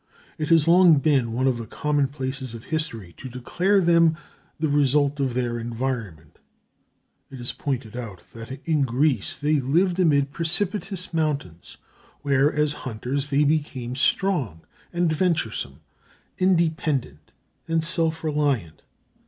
It has long been one of the commonplaces of history to declare them the result of their environment. It is pointed out that in Greece they lived amid precipitous mountains, where, as hunters, they became strong and venturesome, independent and self reliant.